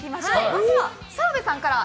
まずは澤部さんから。